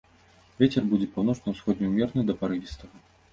Вецер будзе паўночна-ўсходні ўмераны да парывістага.